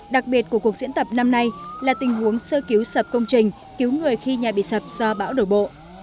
đặc biệt của cuộc diễn tập năm nay là tình huống sơ cứu sập công trình cứu người khi nhà bị sập do bão đổ bộ